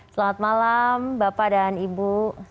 selamat malam bapak dan ibu